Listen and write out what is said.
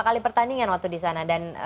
dua kali pertandingan waktu di sana dan